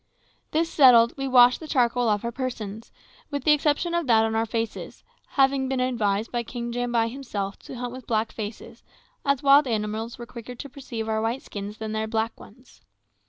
This settled, we washed the charcoal off our persons, with the exception of that on our faces, having been advised by King Jambai himself to hunt with black faces, as wild animals were quicker to perceive our white skins than their black ones.